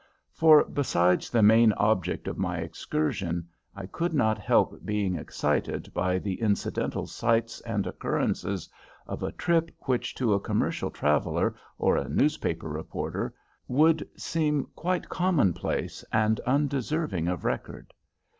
For, besides the main object of my excursion, I could not help being excited by the incidental sights and occurrences of a trip which to a commercial traveller or a newspaper reporter would seem quite commonplace and undeserving of record.